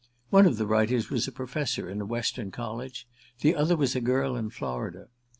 One of the writers was a professor in a Western college; the other was a girl in Florida.